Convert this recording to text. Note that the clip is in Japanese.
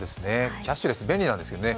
キャッシュレス、便利なんですけどね。